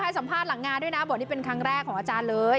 สัมภาษณ์หลังงานด้วยนะบอกนี่เป็นครั้งแรกของอาจารย์เลย